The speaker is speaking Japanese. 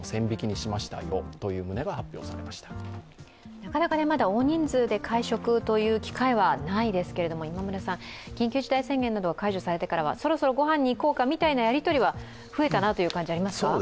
なかなか、まだ大人数で会食という機会はないですけれども、緊急事態宣言が解除されてからはそろそろご飯に行こうかみたいなやり取りは増えたなという感じはありますか？